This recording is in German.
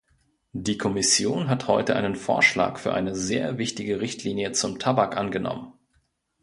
Die Kommission hat heute einen Vorschlag für eine sehr wichtige Richtlinie zum Tabak angenommen.